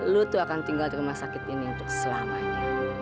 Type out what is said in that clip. lutu akan tinggal di rumah sakit ini untuk selamanya